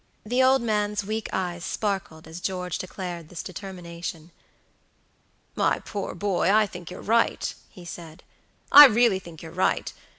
The old man's weak eyes sparkled as George declared this determination. "My poor boy, I think you're right," he said, "I really think you're right.